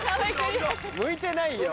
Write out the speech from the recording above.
向いてないよ。